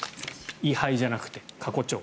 位牌じゃなくて過去帳。